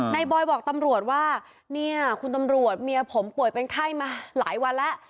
บอยบอกตำรวจว่าเนี่ยคุณตำรวจเมียผมป่วยเป็นไข้มาหลายวันแล้ว